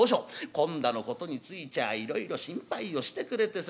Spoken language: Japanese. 今度のことについちゃいろいろ心配をしてくれてさ。